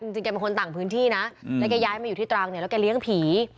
แกเป็นคนต่างพื้นที่นะแล้วแกย้ายมาอยู่ที่ตรังเนี่ยแล้วแกเลี้ยงผี